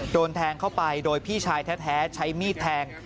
โดนแทงเข้าไปโดยพี่ชายแท้ใช้มีดแทง